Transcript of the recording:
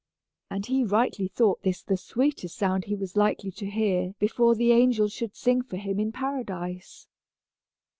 And he rightly thought this the sweetest sound he was likely to hear before the angels should sing for him in Paradise!